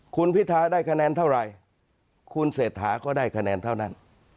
คุณพิทาได้คะแนนเท่าไหร่คุณเศรษฐาก็ได้คะแนนเท่านั้น